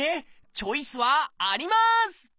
チョイスはあります！